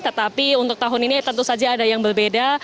tetapi untuk tahun ini tentu saja ada yang berbeda